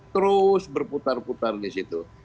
terus berputar putar di situ